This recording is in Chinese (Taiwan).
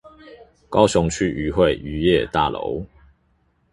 高雄區漁會漁業大樓